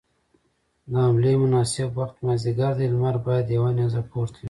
د حملې مناسب وخت مازديګر دی، لمر بايد يوه نيزه پورته وي.